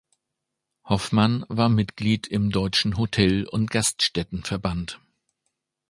Hoffmann war Mitglied im Deutschen Hotel- und Gaststättenverband.